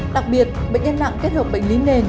đặc biệt bệnh nhân nặng kết hợp bệnh lý nền